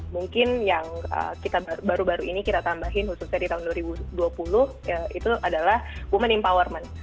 mungkin yang baru baru ini kita tambahin khususnya di tahun dua ribu dua puluh itu adalah women empowerment